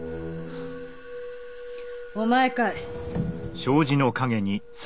お前かい？